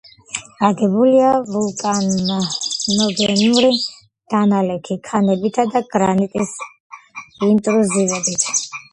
აგებულია ვულკანოგენურ-დანალექი ქანებითა და გრანიტის ინტრუზივებით.